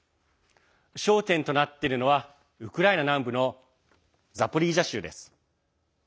焦点となっているのはウクライナ南部のザポリージャ州です。